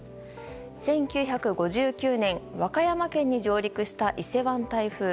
１９５９年、和歌山県に上陸した伊勢湾台風。